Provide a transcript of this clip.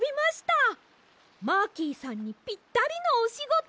マーキーさんにぴったりのおしごと！